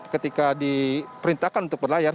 ketika diperintahkan untuk berlayar